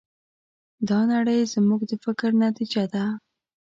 دا نړۍ زموږ د فکر نتیجه ده.